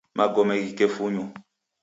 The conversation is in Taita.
Magome ghikefunywa